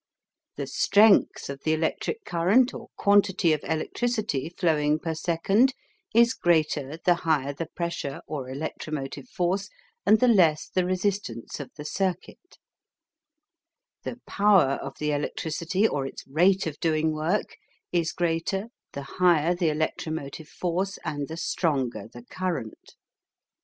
The strength of the electric current or quantity of electricity flowing per second is greater the higher the pressure or electromotive force and the less the resistance of the circuit The power of the electricity or its rate of doing work is greater the higher the electromotive force and the stronger the current.